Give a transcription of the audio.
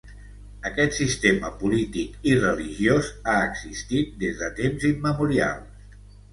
Aquest sistema polític i religiós ha existit des de temps immemorials.